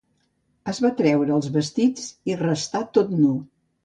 Es va treure els vestits i restà tot nu.